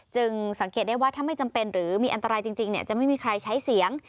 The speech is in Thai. สังเกตได้ว่าถ้าไม่จำเป็นหรือมีอันตรายจริงจะไม่มีใครใช้เสียง